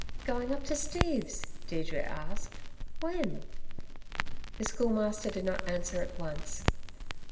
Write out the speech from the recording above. "Going up to Steve's?" Deirdre asked. "When?" The Schoolmaster did not answer at once.